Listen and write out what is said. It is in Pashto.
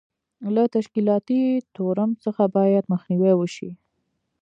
له تشکیلاتي تورم څخه باید مخنیوی وشي.